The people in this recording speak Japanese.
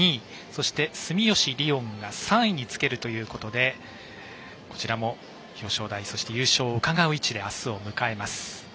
そして住吉りをんが３位につけるということでこちらも表彰台そして優勝をうかがう位置で明日を迎えます。